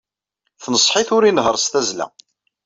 Tenṣeḥ-it ur inehheṛ s tazzla.